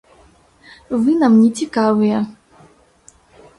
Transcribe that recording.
Вы нам не цікавыя!